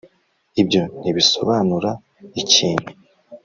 ibyo ntibisobanura ikintu